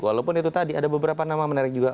walaupun itu tadi ada beberapa nama menarik juga